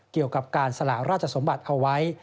เกี่ยวกับการสละราชสมบัติเอาไว้